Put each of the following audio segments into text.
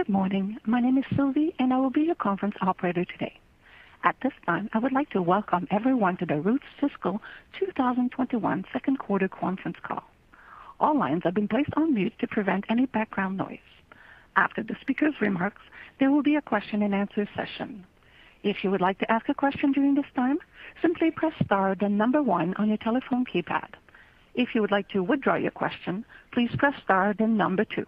Good morning. My name is Sylvie, and I will be your conference operator today. At this time, I would like to welcome everyone to the Roots Fiscal 2021 2nd Quarter Conference Call. All lines have been placed on mute to prevent any background noise. After the speaker's remarks, there will be a question and answer session. If you would like to ask a question during this time, simply press star then 1 on your telephone keypad. If you would like to withdraw your question, please press star then 2.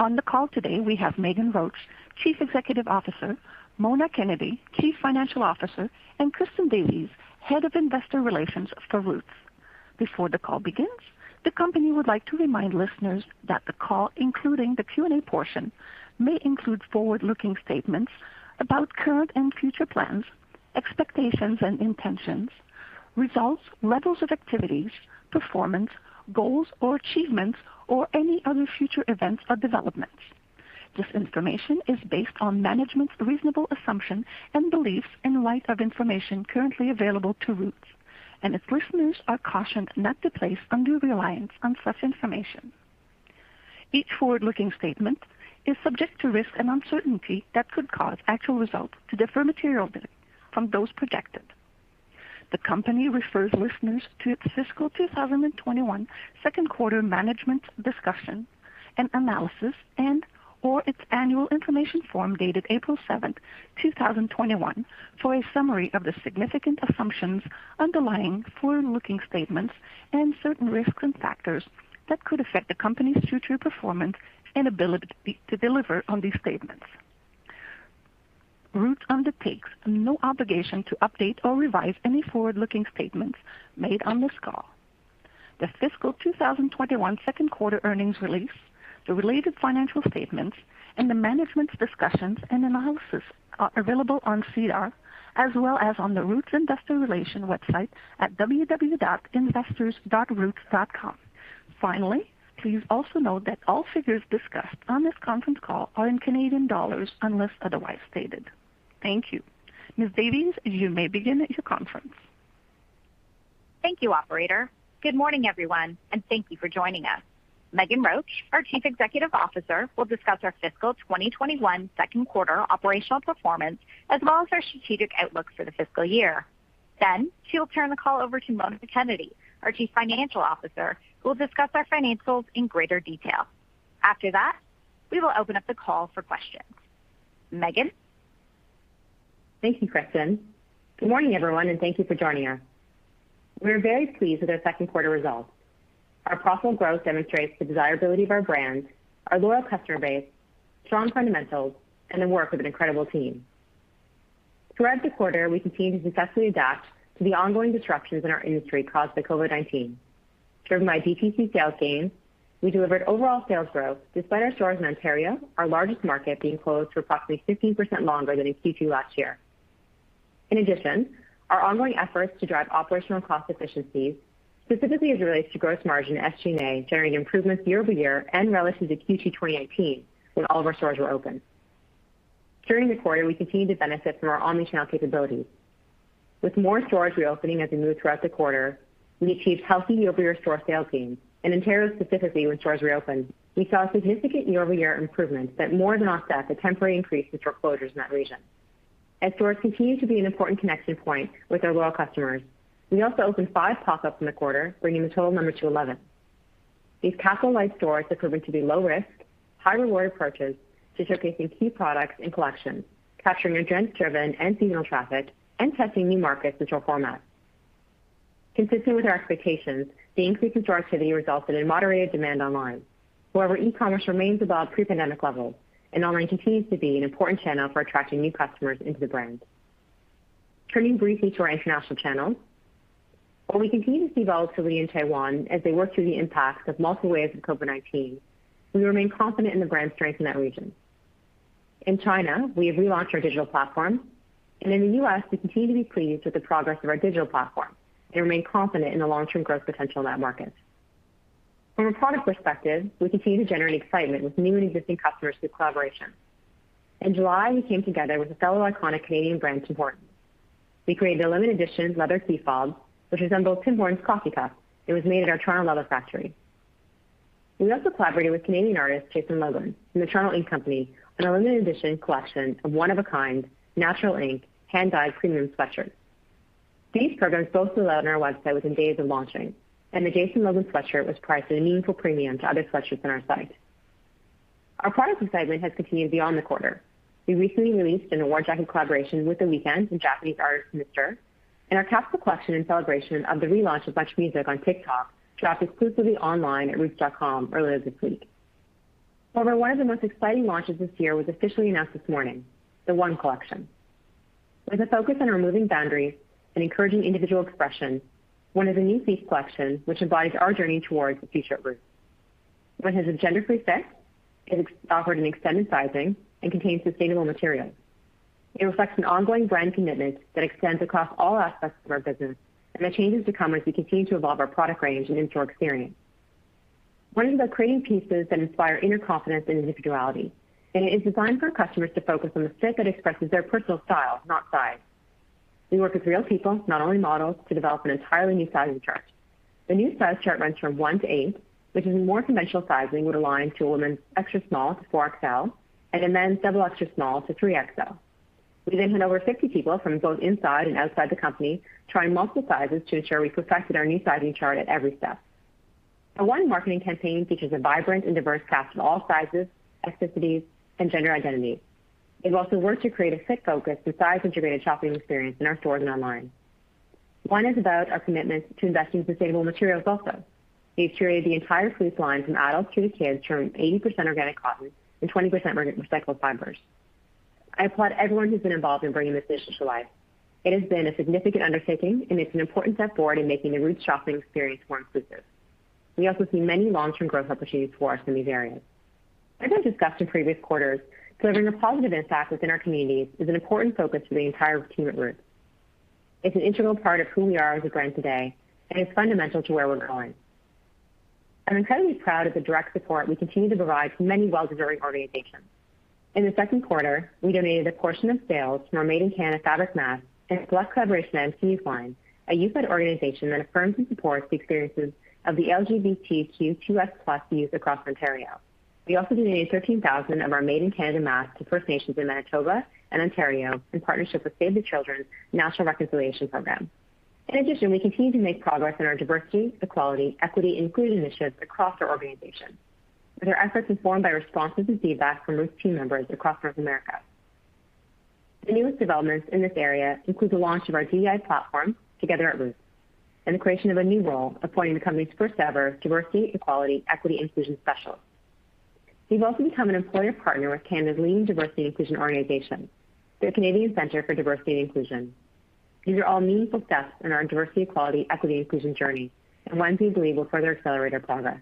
On the call today, we have Meghan Roach, Chief Executive Officer, Mona Kennedy, Chief Financial Officer, and Kristen Davies, Head of Investor Relations for Roots. Before the call begins, the company would like to remind listeners that the call, including the Q&A portion, may include forward-looking statements about current and future plans, expectations and intentions, results, levels of activities, performance, goals or achievements, or any other future events or developments. This information is based on management's reasonable assumption and beliefs in light of information currently available to Roots, and its listeners are cautioned not to place undue reliance on such information. Each forward-looking statement is subject to risk and uncertainty that could cause actual results to differ materially from those projected. The company refers listeners to its fiscal 2021 second quarter management discussion and analysis and/or its annual information form dated April 7th, 2021 for a summary of the significant assumptions underlying forward-looking statements and certain risks and factors that could affect the company's future performance and ability to deliver on these statements. Roots undertakes no obligation to update or revise any forward-looking statements made on this call. The fiscal 2021 second quarter earnings release, the related financial statements, and the management's discussions and analysis are available on SEDAR as well as on the Roots Investor Relations website at www.investors.roots.com. Finally, please also note that all figures discussed on this conference call are in Canadian dollars unless otherwise stated. Thank you. Ms. Davies, you may begin your conference. Thank you, operator. Good morning, everyone, and thank you for joining us. Meghan Roach, our Chief Executive Officer, will discuss our fiscal 2021 second quarter operational performance as well as our strategic outlook for the fiscal year. She will turn the call over to Mona Kennedy, our Chief Financial Officer, who will discuss our financials in greater detail. After that, we will open up the call for questions. Meghan? Thank you, Kristen. Good morning, everyone, and thank you for joining us. We are very pleased with our second quarter results. Our profitable growth demonstrates the desirability of our brands, our loyal customer base, strong fundamentals, and the work of an incredible team. Throughout the quarter, we continued to successfully adapt to the ongoing disruptions in our industry caused by COVID-19. Driven by DTC sales gains, we delivered overall sales growth despite our stores in Ontario, our largest market, being closed for approximately 15% longer than in Q2 last year. In addition, our ongoing efforts to drive operational cost efficiencies, specifically as it relates to gross margin and SG&A, generated improvements year-over-year and relative to Q2 2019 when all of our stores were open. During the quarter, we continued to benefit from our omnichannel capabilities. With more stores reopening as we moved throughout the quarter, we achieved healthy year-over-year store sales gains. In Ontario specifically, when stores reopened, we saw significant year-over-year improvements that more than offset the temporary increase in store closures in that region. As stores continue to be an important connection point with our loyal customers, we also opened five pop-ups in the quarter, bringing the total number to 11. These capital light stores are proven to be low risk, high reward approaches to showcasing key products and collections, capturing trend-driven and seasonal traffic, and testing new markets and store formats. Consistent with our expectations, the increase in store activity resulted in moderated demand online. However, e-commerce remains above pre-pandemic levels, and online continues to be an important channel for attracting new customers into the brand. Turning briefly to our international channels. While we continue to see volatility in Taiwan as they work through the impact of multiple waves of COVID-19, we remain confident in the brand strength in that region. In China, we have relaunched our digital platform, and in the U.S., we continue to be pleased with the progress of our digital platform and remain confident in the long-term growth potential in that market. From a product perspective, we continue to generate excitement with new and existing customers through collaborations. In July, we came together with a fellow iconic Canadian brand, Tim Hortons. We created a limited edition leather key fob, which resembles Tim Hortons coffee cup. It was made at our Toronto leather factory. We also collaborated with Canadian artist Jason Logan from the Toronto Ink Company on a limited edition collection of one of a kind, natural ink, hand-dyed premium sweatshirts. These programs sold out on our website within days of launching, and the Jason Logan sweatshirt was priced at a meaningful premium to other sweatshirts on our site. Our product excitement has continued beyond the quarter. We recently released an award-winning collaboration with The Weeknd and Japanese artist, Mr.. Our capsule collection in celebration of the relaunch of MuchMusic on TikTok dropped exclusively online at roots.com earlier this week. However, one of the most exciting launches this year was officially announced this morning, the One Collection. With a focus on removing boundaries and encouraging individual expression, One is a new piece collection which embodies our journey towards the future at Roots. One has a gender-free fit, is offered in extended sizing, and contains sustainable materials. It reflects an ongoing brand commitment that extends across all aspects of our business and the changes to come as we continue to evolve our product range and in-store experience. One is about creating pieces that inspire inner confidence and individuality. It is designed for customers to focus on the fit that expresses their personal style, not size. We work with real people, not only models, to develop an entirely new sizing chart. The new size chart runs from one to eight, which in more conventional sizing would align to a woman's extra small to 4XL. A men's double extra small to 3XL. We had over 50 people from both inside and outside the company try multiple sizes to ensure we perfected our new sizing chart at every step. Our One marketing campaign features a vibrant and diverse cast of all sizes, ethnicities, and gender identities. It also worked to create a fit focus and size-integrated shopping experience in our stores and online. One is about our commitment to investing in sustainable materials also. We've curated the entire Roots line from adults to the kids, to our 80% organic cotton and 20% recycled fibers. I applaud everyone who's been involved in bringing this vision to life. It has been a significant undertaking, and it's an important step forward in making the Roots shopping experience more inclusive. We also see many long-term growth opportunities for us in these areas. As I discussed in previous quarters, delivering a positive impact within our communities is an important focus for the entire team at Roots. It's an integral part of who we are as a brand today, and it's fundamental to where we're going. I'm incredibly proud of the direct support we continue to provide to many well-deserving organizations. In the second quarter, we donated a portion of sales from our Made in Canada fabric mask in a select collaboration item LGBT YouthLine, a youth-led organization that affirms and supports the experiences of the LGBTQ2S+ youth across Ontario. We also donated 13,000 of our Made in Canada masks to First Nations in Manitoba and Ontario in partnership with Save the Children's National Reconciliation program. In addition, we continue to make progress in our Diversity, Equity, and Inclusion initiatives across our organization. With our efforts informed by responses and feedback from Roots team members across North America. The newest developments in this area include the launch of our DEI platform, Together at Roots, and the creation of a new role appointing the company's first-ever diversity, equity, inclusion specialist. We've also become an employer partner with Canada's leading diversity and inclusion organization, the Canadian Centre for Diversity and Inclusion. These are all meaningful steps in our diversity, equality, equity, and inclusion journey and ones we believe will further accelerate our progress.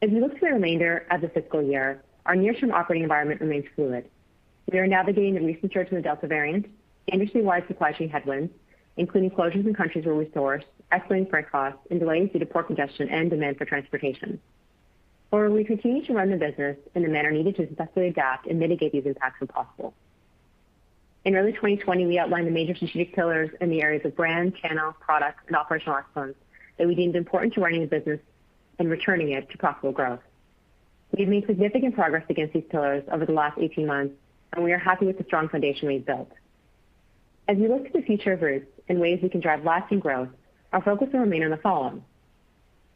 As we look to the remainder of the fiscal year, our near-term operating environment remains fluid. We are navigating the recent surge in the Delta variant, industry-wide supply chain headwinds, including closures in countries where we source, escalating freight costs, and delays due to port congestion and demand for transportation. However, we continue to run the business in a manner needed to successfully adapt and mitigate these impacts where possible. In early 2020, we outlined the major strategic pillars in the areas of brand, channel, product, and operational excellence that we deemed important to running the business and returning it to profitable growth. We've made significant progress against these pillars over the last 18 months, and we are happy with the strong foundation we've built. As we look to the future of Roots and ways we can drive lasting growth, our focus will remain on the following.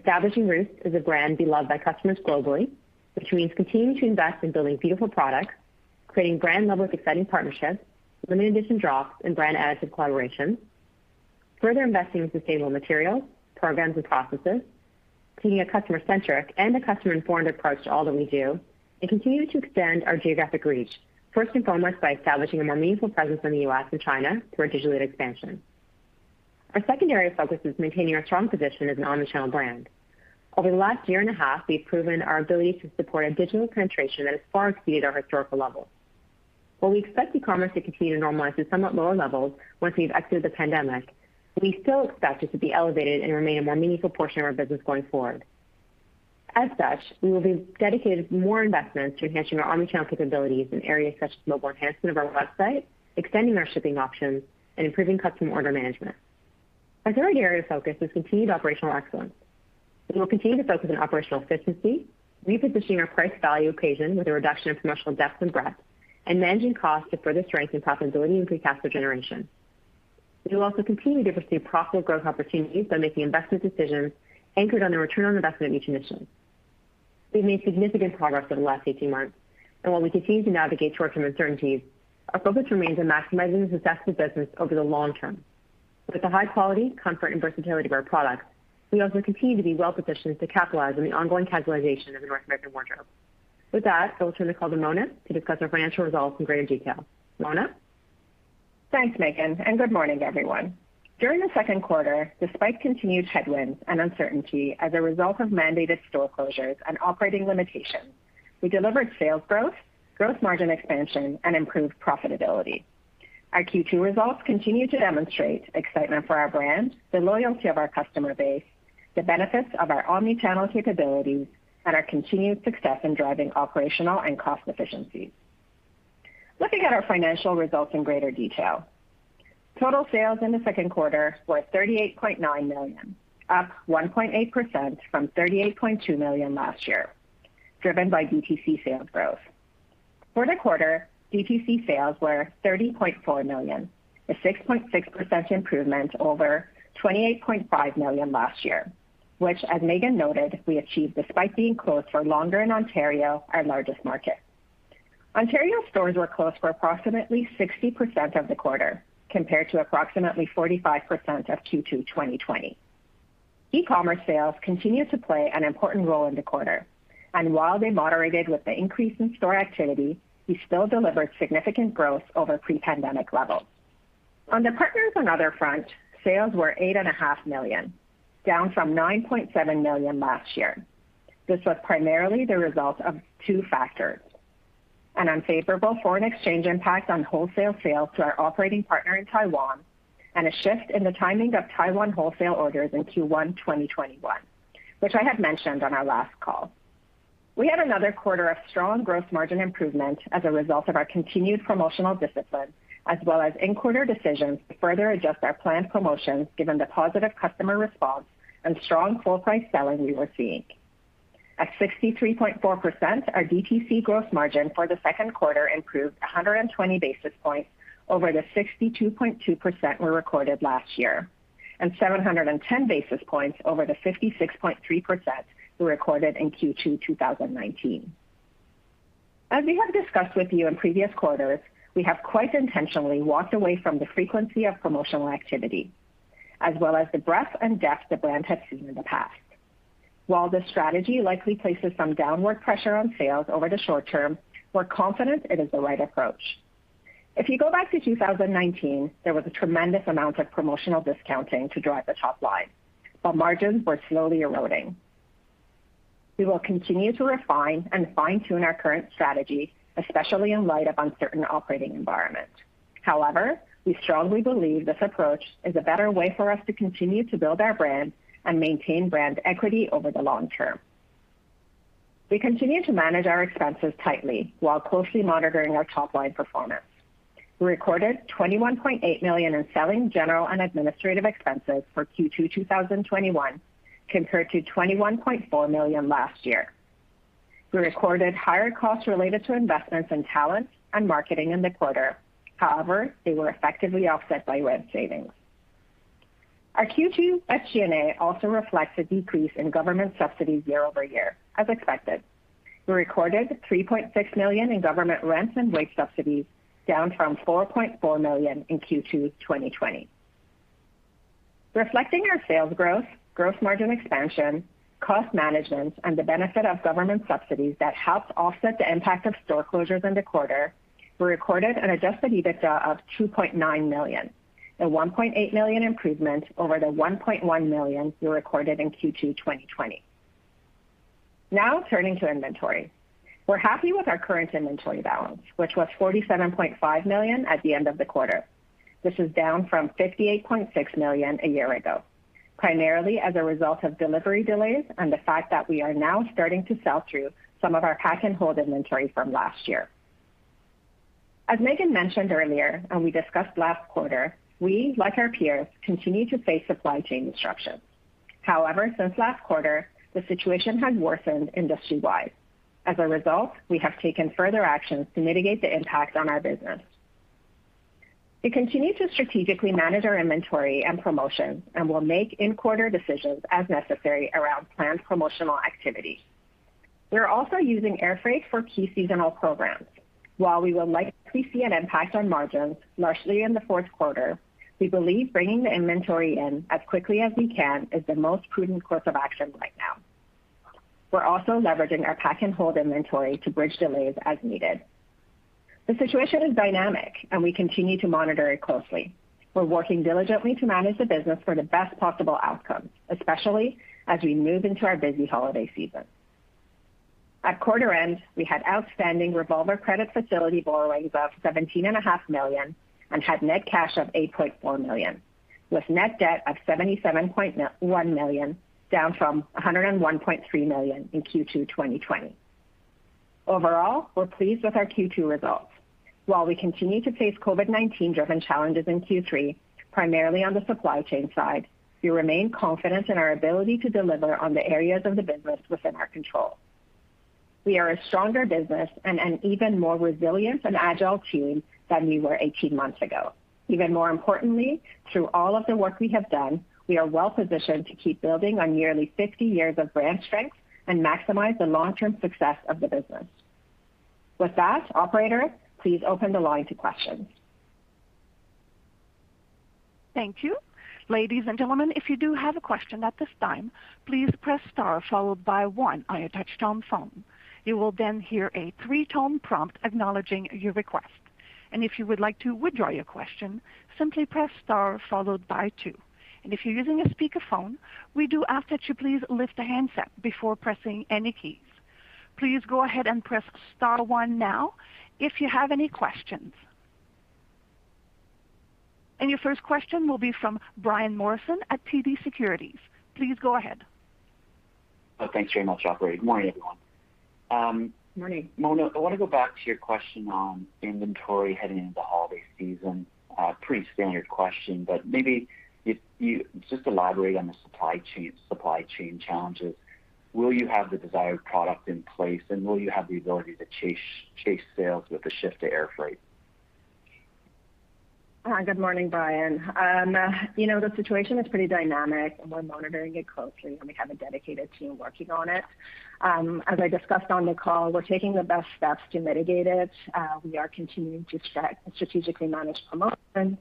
Establishing Roots as a brand beloved by customers globally, which means continuing to invest in building beautiful products, creating brand level, exciting partnerships, limited edition drops, and brand additive collaborations. Further investing in sustainable materials, programs, and processes. Continuing a customer-centric and a customer-informed approach to all that we do. Continue to expand our geographic reach, first and foremost, by establishing a more meaningful presence in the U.S. and China through our digital expansion. Our secondary focus is maintaining our strong position as an omnichannel brand. Over the last year and a half, we have proven our ability to support a digital penetration that has far exceeded our historical levels. While we expect e-commerce to continue to normalize to somewhat lower levels once we've exited the pandemic, we still expect it to be elevated and remain a more meaningful portion of our business going forward. As such, we will be dedicated with more investments to enhancing our omnichannel capabilities in areas such as mobile enhancement of our website, extending our shipping options, and improving customer order management. Our third area of focus is continued operational excellence. We will continue to focus on operational efficiency, repositioning our price value equation with a reduction of promotional depth and breadth, and managing costs to further strengthen profitability and free cash flow generation. We will also continue to pursue profitable growth opportunities by making investment decisions anchored on the return on investment of each initiative. We've made significant progress over the last 18 months, and while we continue to navigate short-term uncertainties, our focus remains on maximizing the success of the business over the long term. With the high quality, comfort, and versatility of our products, we also continue to be well-positioned to capitalize on the ongoing casualization of the North American wardrobe. With that, I will turn the call to Mona to discuss our financial results in greater detail. Mona? Thanks, Meghan, and good morning, everyone. During the second quarter, despite continued headwinds and uncertainty as a result of mandated store closures and operating limitations, we delivered sales growth, gross margin expansion, and improved profitability. Our Q2 results continue to demonstrate excitement for our brand, the loyalty of our customer base, the benefits of our omnichannel capabilities, and our continued success in driving operational and cost efficiencies. Looking at our financial results in greater detail. Total sales in the second quarter were 38.9 million, up 1.8% from 38.2 million last year, driven by DTC sales growth. For the quarter, DTC sales were 30.4 million, a 6.6% improvement over 28.5 million last year, which, as Meghan noted, we achieved despite being closed for longer in Ontario, our largest market. Ontario stores were closed for approximately 60% of the quarter, compared to approximately 45% of Q2 2020. E-commerce sales continued to play an important role in the quarter. While they moderated with the increase in store activity, we still delivered significant growth over pre-pandemic levels. On the partners and other front, sales were 8.5 million, down from 9.7 million last year. This was primarily the result of two factors, an unfavorable foreign exchange impact on wholesale sales to our operating partner in Taiwan, and a shift in the timing of Taiwan wholesale orders in Q1 2021, which I had mentioned on our last call. We had another quarter of strong gross margin improvement as a result of our continued promotional discipline, as well as in-quarter decisions to further adjust our planned promotions given the positive customer response and strong full price selling we were seeing. At 63.4%, our DTC gross margin for the second quarter improved 120 basis points over the 62.2% we recorded last year, and 710 basis points over the 56.3% we recorded in Q2 2019. As we have discussed with you in previous quarters, we have quite intentionally walked away from the frequency of promotional activity, as well as the breadth and depth the brand had seen in the past. While this strategy likely places some downward pressure on sales over the short term, we're confident it is the right approach. If you go back to 2019, there was a tremendous amount of promotional discounting to drive the top line. Margins were slowly eroding. We will continue to refine and fine-tune our current strategy, especially in light of uncertain operating environment. However, we strongly believe this approach is a better way for us to continue to build our brand and maintain brand equity over the long term. We continue to manage our expenses tightly while closely monitoring our top-line performance. We recorded 21.8 million in selling, general, and administrative expenses for Q2 2021, compared to 21.4 million last year. We recorded higher costs related to investments in talent and marketing in the quarter. However, they were effectively offset by rent savings. Our Q2 SG&A also reflects a decrease in government subsidies year-over-year, as expected. We recorded 3.6 million in government rents and wage subsidies, down from 4.4 million in Q2 2020. Reflecting our sales growth, gross margin expansion, cost management, and the benefit of government subsidies that helped offset the impact of store closures in the quarter, we recorded an adjusted EBITDA of 2.9 million, a 1.8 million improvement over the 1.1 million we recorded in Q2 2020. Now turning to inventory. We're happy with our current inventory balance, which was 47.5 million at the end of the quarter. This is down from 58.6 million a year ago, primarily as a result of delivery delays and the fact that we are now starting to sell through some of our pack-and-hold inventory from last year. As Meghan mentioned earlier and we discussed last quarter, we, like our peers, continue to face supply chain disruptions. However, since last quarter, the situation has worsened industry-wide. As a result, we have taken further actions to mitigate the impact on our business. We continue to strategically manage our inventory and promotions and will make in-quarter decisions as necessary around planned promotional activity. We are also using air freight for key seasonal programs. While we will likely see an impact on margins, largely in the fourth quarter, we believe bringing the inventory in as quickly as we can is the most prudent course of action right now. We're also leveraging our pack-and-hold inventory to bridge delays as needed. The situation is dynamic, and we continue to monitor it closely. We're working diligently to manage the business for the best possible outcome, especially as we move into our busy holiday season. At quarter end, we had outstanding revolver credit facility borrowings of 17.5 million and had net cash of 8.4 million, with net debt of 77.1 million, down from 101.3 million in Q2 2020. Overall, we're pleased with our Q2 results. While we continue to face COVID-19 driven challenges in Q3, primarily on the supply chain side, we remain confident in our ability to deliver on the areas of the business within our control. We are a stronger business and an even more resilient and agile team than we were 18 months ago. Even more importantly, through all of the work we have done, we are well positioned to keep building on nearly 50 years of brand strength and maximize the long-term success of the business. With that, operator, please open the line to questions. Your first question will be from Brian Morrison at TD Securities. Please go ahead. Thanks very much, operator. Good morning, everyone. Morning. Mona, I want to go back to your question on inventory heading into holiday season. Pretty standard question, but maybe if you just elaborate on the supply chain challenges. Will you have the desired product in place, and will you have the ability to chase sales with the shift to air freight? Good morning, Brian. The situation is pretty dynamic, and we're monitoring it closely, and we have a dedicated team working on it. As I discussed on the call, we're taking the best steps to mitigate it. We are continuing to strategically manage promotions.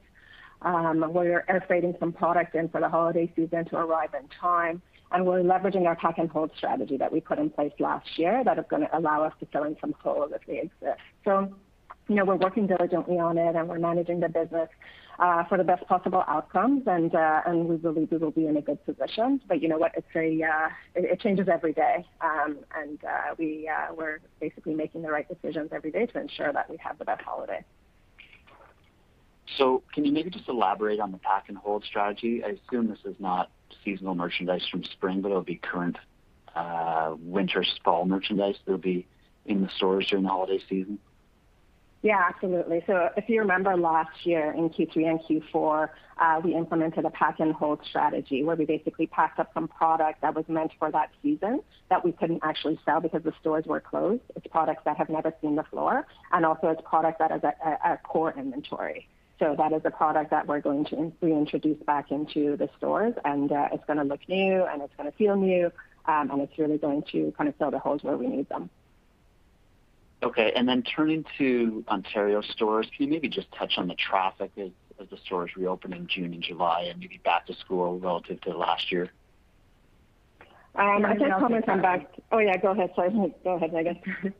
We are air freighting some product in for the holiday season to arrive in time, and we're leveraging our pack-and-hold strategy that we put in place last year that is going to allow us to fill in some holes as they exist. We're working diligently on it, and we're managing the business for the best possible outcomes. We believe we will be in a good position. You know what, it changes every day. We're basically making the right decisions every day to ensure that we have the best holiday. Can you maybe just elaborate on the pack-and-hold strategy? I assume this is not seasonal merchandise from spring, but it'll be current winter, fall merchandise that'll be in the stores during the holiday season. Yeah, absolutely. If you remember last year in Q3 and Q4, we implemented a pack-and-hold strategy where we basically packed up some product that was meant for that season that we couldn't actually sell because the stores were closed. It's products that have never seen the floor, and also it's product that is a core inventory. That is a product that we're going to reintroduce back into the stores, and it's going to look new, and it's going to feel new, and it's really going to fill the holes where we need them. Okay, turning to Ontario stores, can you maybe just touch on the traffic as the stores reopen in June and July and maybe back to school relative to last year? I can comment on. Mona- Oh, yeah, go ahead. Sorry. Go ahead, Meghan.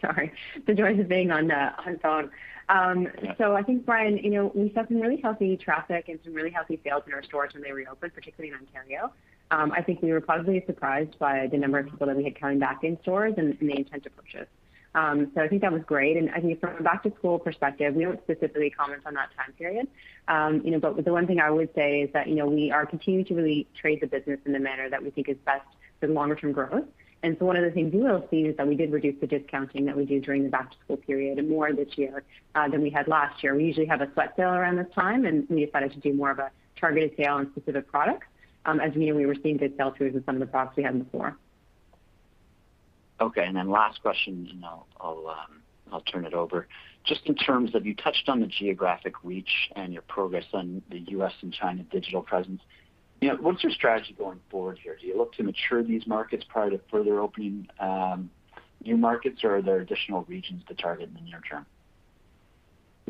Sorry. The joys of being on the phone. I think, Brian, we saw some really healthy traffic and some really healthy sales in our stores when they reopened, particularly in Ontario. I think we were pleasantly surprised by the number of people that we had coming back in stores and the intent to purchase. I think that was great. I think from a back-to-school perspective, we won't specifically comment on that time period. The one thing I would say is that, we are continuing to really trade the business in the manner that we think is best for the longer term growth. One of the things you will see is that we did reduce the discounting that we do during the back-to-school period more this year, than we had last year. We usually have a sweat sale around this time, and we decided to do more of a targeted sale on specific products, as we were seeing good sell-throughs with some of the products we had in the floor. Okay, last question. I'll turn it over. Just in terms of, you touched on the geographic reach and your progress on the U.S. and China digital presence. What's your strategy going forward here? Do you look to mature these markets prior to further opening new markets, or are there additional regions to target in the near term?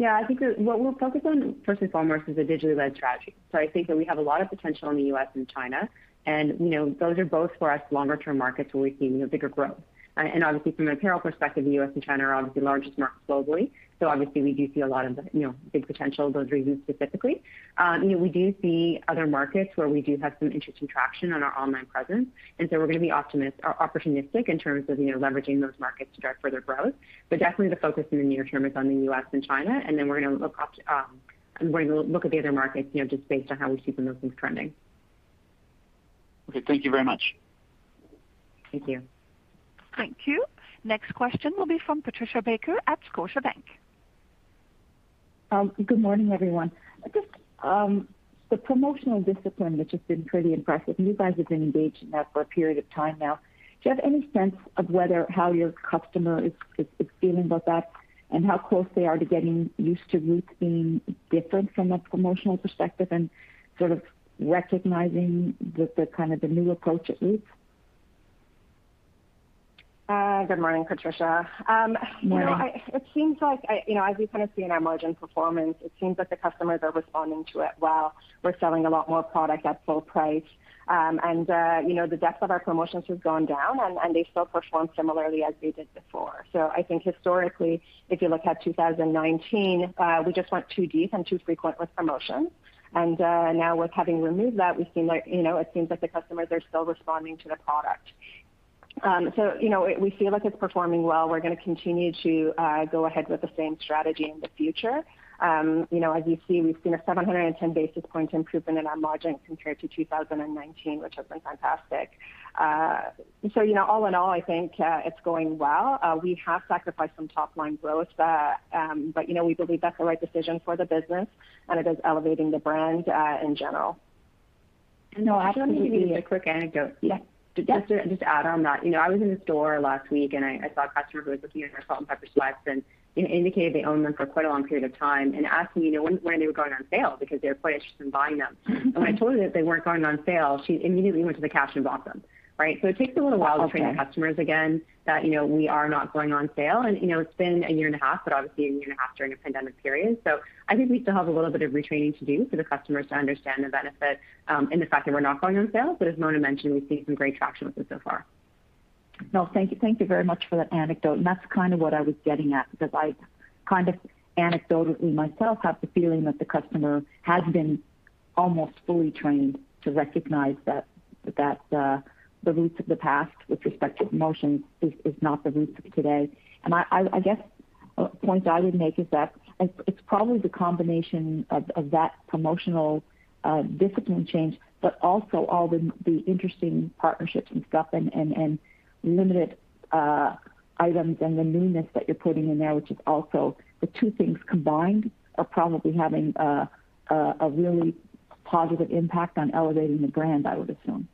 I think that what we're focused on first and foremost is a digitally led strategy. I think that we have a lot of potential in the U.S. and China, and those are both for us longer term markets where we see bigger growth. Obviously from an apparel perspective, the U.S. and China are obviously the largest markets globally. Obviously we do see a lot of big potential in those regions specifically. We do see other markets where we do have some interesting traction on our online presence, and so we're going to be opportunistic in terms of leveraging those markets to drive further growth. Definitely the focus in the near term is on the U.S. and China, and then we're going to look at the other markets, just based on how we see the movements trending. Okay. Thank you very much. Thank you. Thank you. Next question will be from Patricia Baker at Scotiabank. Good morning, everyone. Just the promotional discipline, which has been pretty impressive. You guys have been engaged in that for a period of time now. Do you have any sense of how your customer is feeling about that, and how close they are to getting used to Roots being different from a promotional perspective and sort of recognizing the new approach at Roots? Good morning, Patricia. Morning. It seems like, as we see in our margin performance, it seems that the customers are responding to it well. We're selling a lot more product at full price. The depth of our promotions has gone down, and they still perform similarly as they did before. I think historically, if you look at 2019, we just went too deep and too frequent with promotions. Now with having removed that, it seems that the customers are still responding to the product. We feel like it's performing well. We're going to continue to go ahead with the same strategy in the future. As you see, we've seen a 710 basis point improvement in our margin compared to 2019, which has been fantastic. All in all, I think it's going well. We have sacrificed some top-line growth, but we believe that's the right decision for the business, and it is elevating the brand, in general. Mona, I just want to give you a quick anecdote. Yeah. Just to add on that. I was in the store last week, I saw a customer who was looking at our Salt and Pepper sweats and indicated they owned them for quite a long period of time and asked me when they were going on sale because they were quite interested in buying them. When I told her that they weren't going on sale, she immediately went to the cash and bought them, right? It takes a little while. Okay -to train the customers again that we are not going on sale, and it's been a year and a half, but obviously a year and a half during a pandemic period. I think we still have a little bit of retraining to do for the customers to understand the benefit, and the fact that we're not going on sale. As Mona mentioned, we've seen some great traction with it so far. No, thank you very much for that anecdote, and that's kind of what I was getting at because I kind of anecdotally myself have the feeling that the Roots of the past with respect to promotions is not the Roots of today. I guess a point I would make is that it's probably the combination of that promotional discipline change, but also all the interesting partnerships and stuff and limited items and the newness that you're putting in there, which is also the two things combined are probably having a really positive impact on elevating the brand, I would assume.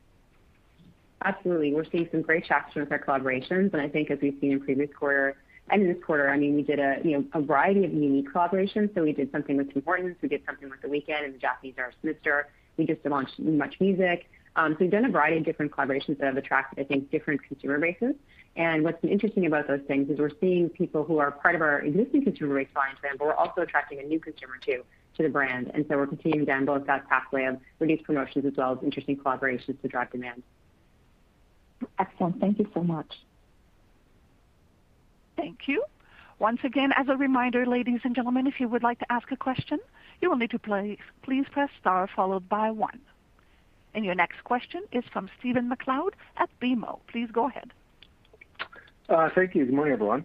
Absolutely. We're seeing some great traction with our collaborations, I think as we've seen in previous quarter and in this quarter, I mean, we did a variety of unique collaborations. We did something with Tim Hortons, we did something with The Weeknd and Japanese artist Mr. We just launched MuchMusic. We've done a variety of different collaborations that have attracted, I think, different consumer bases. What's been interesting about those things is we're seeing people who are part of our existing consumer base buying them, but we're also attracting a new consumer, too, to the brand. We're continuing down both that pathway of reduced promotions as well as interesting collaborations to drive demand. Excellent. Thank you so much. Thank you. Once again, as a reminder, ladies and gentlemen, if you would like to ask a question, you will need to please press star followed by 1. Your next question is from Stephen MacLeod at BMO. Please go ahead. Thank you. Good morning, everyone.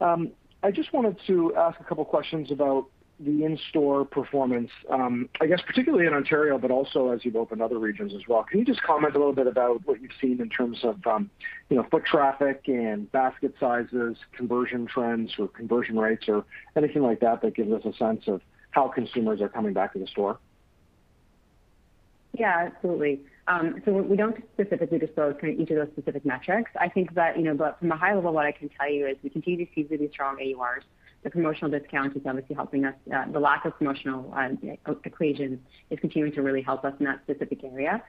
I just wanted to ask a couple questions about the in-store performance, I guess particularly in Ontario, but also as you've opened other regions as well. Can you just comment a little bit about what you've seen in terms of foot traffic and basket sizes, conversion trends or conversion rates or anything like that gives us a sense of how consumers are coming back to the store? Yeah, absolutely. We don't specifically disclose each of those specific metrics. I think that from a high level, what I can tell you is we continue to see really strong AURs. The promotional discount is obviously helping us. The lack of promotional equation is continuing to really help us in that specific area.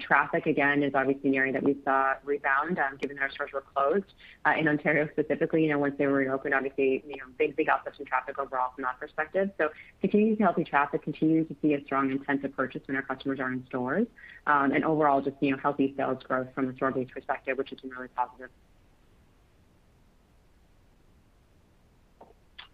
Traffic, again, is obviously an area that we saw rebound, given that our stores were closed. In Ontario specifically, once they were reopened, obviously, big uptick in traffic overall from that perspective. Continuing to see healthy traffic, continuing to see a strong intent to purchase when our customers are in stores. Overall, just healthy sales growth from a store base perspective, which has been really positive.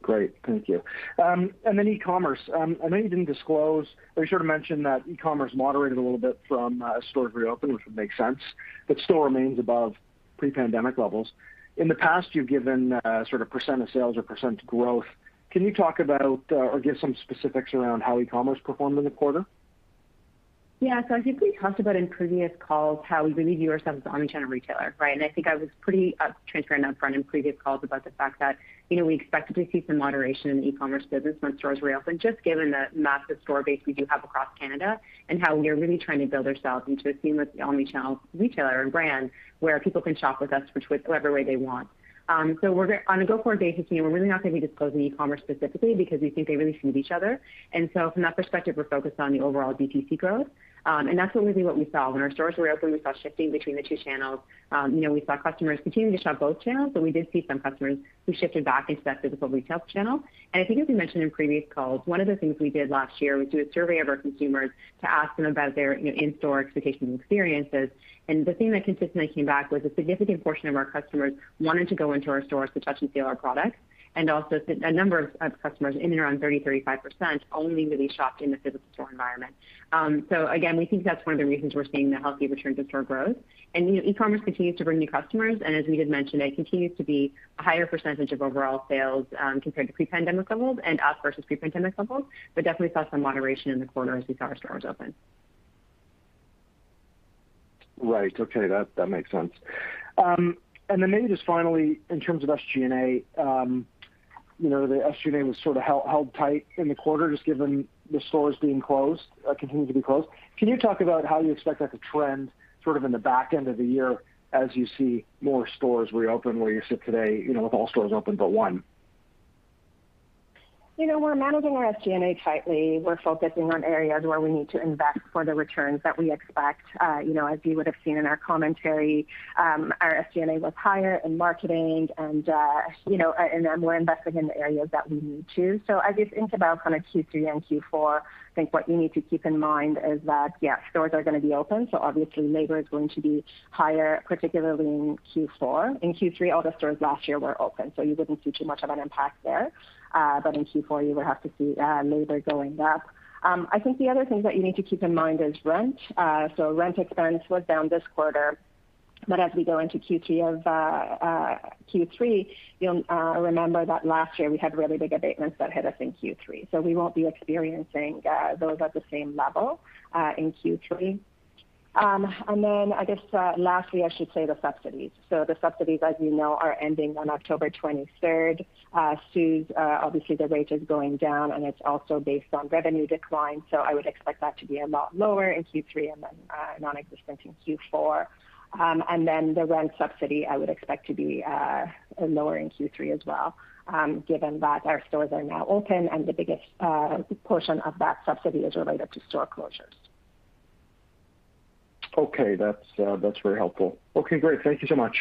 Great, thank you. E-commerce. I know you didn't disclose, or you sort of mentioned that e-commerce moderated a little bit from stores reopened, which would make sense, but still remains above pre-pandemic levels. In the past, you've given sort of % of sales or % growth. Can you talk about or give some specifics around how e-commerce performed in the quarter? I think we talked about in previous calls how we really view ourselves as an omnichannel retailer, right? I think I was pretty transparent up front in previous calls about the fact that we expected to see some moderation in the e-commerce business once stores reopened, just given the massive store base we do have across Canada and how we are really trying to build ourselves into a seamless omnichannel retailer and brand where people can shop with us whichever way they want. On a go-forward basis, we're really not going to be disclosing e-commerce specifically because we think they really feed each other. From that perspective, we're focused on the overall DTC growth. That's really what we saw. When our stores were open, we saw shifting between the two channels. We saw customers continuing to shop both channels, but we did see some customers who shifted back into that physical retail channel. I think as we mentioned in previous calls, one of the things we did last year, we do a survey of our consumers to ask them about their in-store expectations and experiences. The thing that consistently came back was a significant portion of our customers wanted to go into our stores to touch and feel our products, and also a number of customers, in around 30%-35%, only really shopped in the physical store environment. Again, we think that's one of the reasons we're seeing the healthy return to store growth. E-commerce continues to bring new customers, and as we had mentioned, it continues to be a higher percentage of overall sales compared to pre-pandemic levels and us versus pre-pandemic levels, but definitely saw some moderation in the quarter as we saw our stores open. Right. Okay, that makes sense. Then maybe just finally, in terms of SG&A, the SG&A was sort of held tight in the quarter, just given the stores being closed, continuing to be closed. Can you talk about how you expect that to trend sort of in the back end of the year as you see more stores reopen, where you said today with all stores open but one? We're managing our SG&A tightly. We're focusing on areas where we need to invest for the returns that we expect. As you would've seen in our commentary, our SG&A was higher in marketing and our more investing in the areas that we need to. I guess think about kind of Q3 and Q4, I think what you need to keep in mind is that, yeah, stores are going to be open, so obviously labor is going to be higher, particularly in Q4. In Q3, all the stores last year were open, so you wouldn't see too much of an impact there. In Q4, you would have to see labor going up. I think the other things that you need to keep in mind is rent. Rent expense was down this quarter, but as we go into Q3, you'll remember that last year we had really big abatements that hit us in Q3. We won't be experiencing those at the same level in Q3. I guess lastly, I should say the subsidies. The subsidies, as you know, are ending on October 23rd. CEWS, obviously the rate is going down and it's also based on revenue decline, so I would expect that to be a lot lower in Q3 and then nonexistent in Q4. The rent subsidy, I would expect to be lower in Q3 as well, given that our stores are now open and the biggest portion of that subsidy is related to store closures. Okay. That's very helpful. Okay, great. Thank you so much.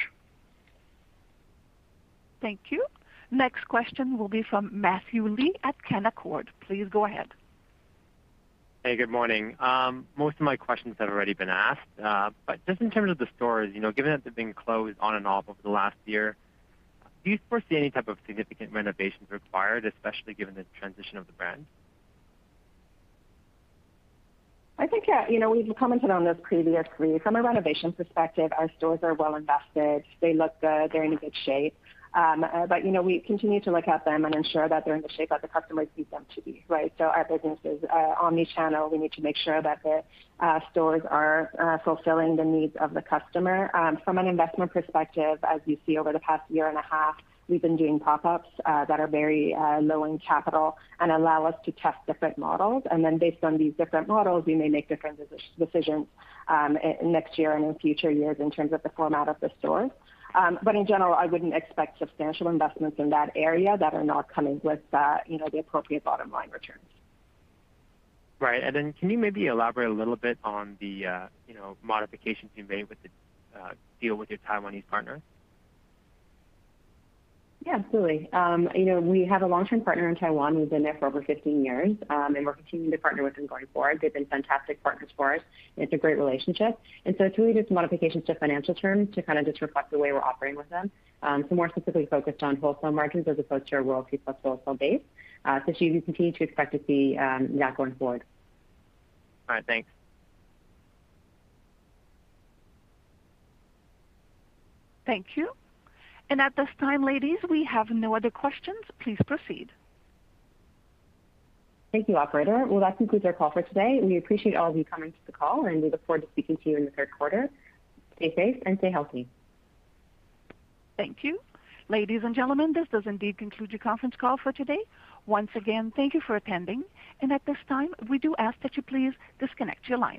Thank you. Next question will be from Matthew Lee at Canaccord. Please go ahead. Hey, good morning. Most of my questions have already been asked. Just in terms of the stores, given that they've been closed on and off over the last year, do you foresee any type of significant renovations required, especially given the transition of the brand? I think, yeah. We've commented on this previously. From a renovation perspective, our stores are well-invested. They look good. They're in a good shape. We continue to look at them and ensure that they're in the shape that the customers need them to be, right? Our business is omnichannel. We need to make sure that the stores are fulfilling the needs of the customer. From an investment perspective, as you see over the past year and a half, we've been doing pop-ups that are very low in capital and allow us to test different models. Based on these different models, we may make different decisions next year and in future years in terms of the format of the stores. In general, I wouldn't expect substantial investments in that area that are not coming with the appropriate bottom-line returns. Right. Then can you maybe elaborate a little bit on the modifications you made with the deal with your Taiwanese partner? Yeah, absolutely. We have a long-term partner in Taiwan. We've been there for over 15 years. We're continuing to partner with them going forward. They've been fantastic partners for us, and it's a great relationship. It's really just modifications to financial terms to kind of just reflect the way we're operating with them. More specifically focused on wholesale margins as opposed to our royalty plus wholesale base. You can continue to expect to see that going forward. All right, thanks. Thank you. At this time, ladies, we have no other questions. Please proceed. Thank you, operator. Well, that concludes our call for today. We appreciate all of you coming to the call, and we look forward to speaking to you in the third quarter. Stay safe and stay healthy. Thank you. Ladies and gentlemen, this does indeed conclude your conference call for today. Once again, thank you for attending. At this time, we do ask that you please disconnect your line.